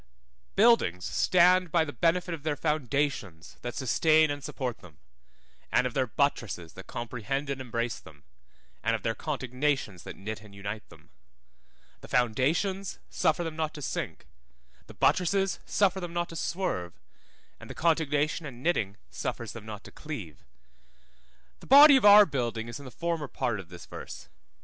BUILDINGS stand by the benefit of their foundations that sustain and support them, and of their buttresses that comprehend and embrace them, and of their contignations that knit and unite them. The foundations suffer them not to sink, the buttresses suffer them not to swerve, and the contignation and knitting suffers them not to cleave. The body of our building is in the former part of this verse.